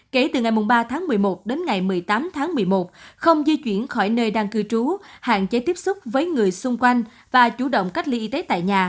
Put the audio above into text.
kể từ ngày ba tháng một mươi một đến ngày một mươi tám tháng một mươi một không di chuyển khỏi nơi đang cư trú hạn chế tiếp xúc với người xung quanh và chủ động cách ly y tế tại nhà